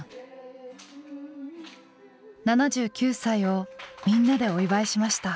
７９歳をみんなでお祝いしました。